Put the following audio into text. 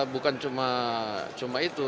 bukan cuma itu